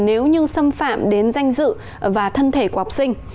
nếu như xâm phạm đến danh dự và thân thể của học sinh